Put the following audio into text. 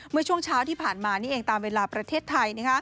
เมื่อช่วงเช้าที่ผ่านมานี่เองตามเวลาประเทศไทย